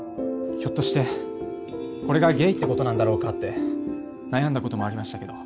ひょっとしてこれがゲイってことなんだろうかって悩んだこともありましたけど。